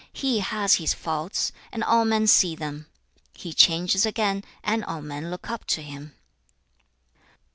He has his faults, and all men see them; he changes again, and all men look up to him.'